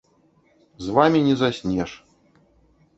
За вамі не заснеш.